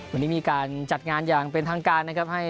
วันนี้มีการจัดงานอย่างเป็นทางการนะครับ